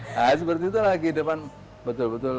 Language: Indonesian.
nah seperti itu lagi depan betul betul